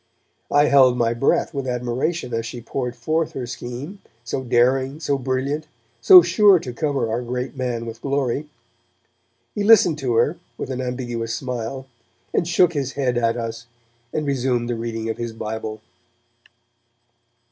I held my breath with admiration as she poured forth her scheme, so daring, so brilliant, so sure to cover our great man with glory. He listened to her with an ambiguous smile, and shook his head at us, and resumed the reading of his Bible.